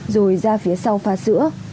rồi ra phía sau pha sữa